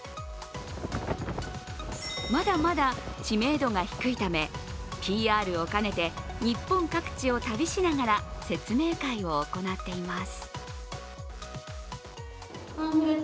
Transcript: まだまだ知名度が低いため、ＰＲを兼ねて日本各地を旅しながら説明会を行っています。